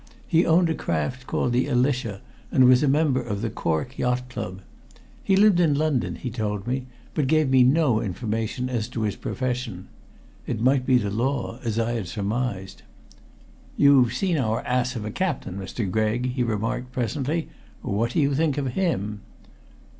He owned a craft called the Alicia, and was a member of the Cork Yacht Club. He lived in London, he told me, but gave me no information as to his profession. It might be the law, as I had surmised. "You've seen our ass of a captain, Mr. Gregg?" he remarked presently. "What do you think of him?"